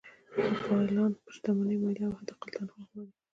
فعالان پر شتمنۍ مالیه او حداقل تنخوا غواړي.